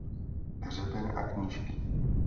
Hřeben a knížky.